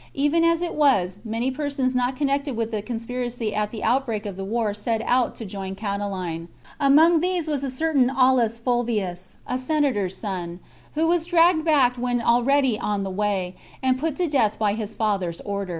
Even as it was, many persons not connected with the conspiracy, at the outbreak of the war set out to join Catiline. Among these was a certain Aulus Fulvius, a senator's son, who was dragged back when already on the way, and put to death by his father's order.